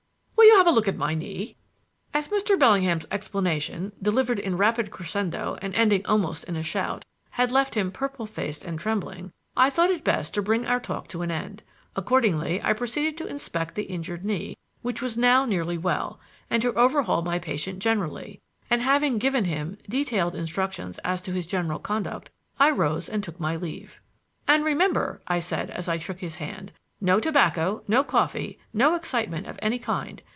Will you have a look at my knee?" As Mr. Bellingham's explanation (delivered in a rapid crescendo and ending almost in a shout) had left him purple faced and trembling, I thought it best to bring our talk to an end. Accordingly I proceeded to inspect the injured knee, which was now nearly well, and to overhaul my patient generally; and having given him detailed instructions as to his general conduct, I rose and took my leave. "And remember," I said as I shook his hand, "No tobacco, no coffee, no excitement of any kind.